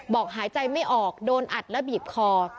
หายใจไม่ออกโดนอัดและบีบคอ